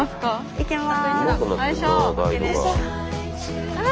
いけます。